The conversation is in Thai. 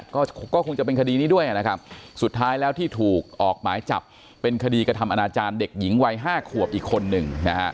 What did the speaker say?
ก็ก็คงจะเป็นคดีนี้ด้วยนะครับสุดท้ายแล้วที่ถูกออกหมายจับเป็นคดีกระทำอนาจารย์เด็กหญิงวัย๕ขวบอีกคนนึงนะฮะ